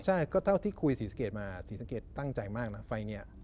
ใช่ก็เท่าที่คุยศรีสะเกดมาศรีสะเกดตั้งใจมากนะไฟล์นี้